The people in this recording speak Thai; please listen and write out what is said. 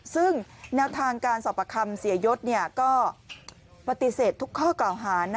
ซึ่งแนวทางการสอบประคำเสียยศก็ปฏิเสธทุกข้อกล่าวหา